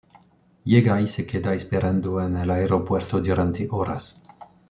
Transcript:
Llega y se queda esperando en el aeropuerto durante horas.